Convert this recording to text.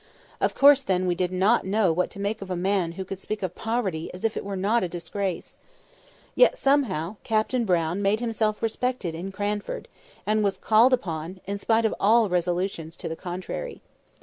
Of course, then, we did not know what to make of a man who could speak of poverty as if it was not a disgrace. Yet, somehow, Captain Brown made himself respected in Cranford, and was called upon, in spite of all resolutions to the contrary.